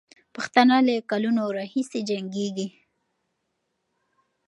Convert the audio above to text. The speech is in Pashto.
پښتانه له کلونو راهیسې جنګېږي.